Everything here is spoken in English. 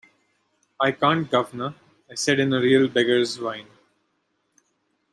“I can’t, guv’nor,” I said in a real beggar’s whine.